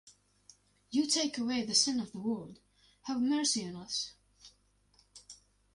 you take away the sin of the world: have mercy on us;